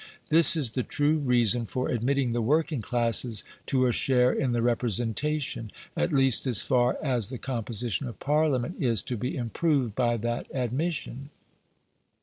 This is the true reason for admitting the working classes to a share in the representation, at least as far as the composition of Parliament is to be improved by that admission.